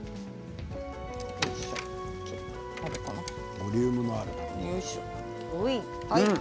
ボリュームのある。